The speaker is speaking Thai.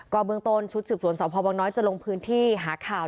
กเบื้องต้นชุด๑๐ส่วนสพนจะลงพื้นที่หาข่าว